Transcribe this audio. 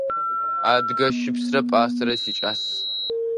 Адыгэ щыпсрэ пӏастэрэ сикӏас.